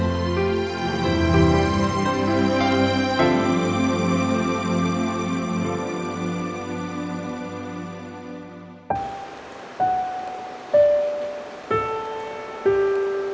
จริงอย่างเล่น